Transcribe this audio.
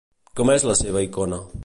Com és la seva icona?